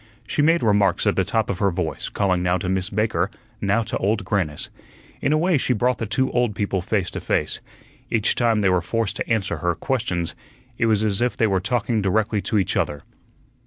She made remarks at the top of her voice, calling now to Miss Baker, now to Old Grannis. In a way she brought the two old people face to face. Each time they were forced to answer her questions it was as if they were talking directly to each other.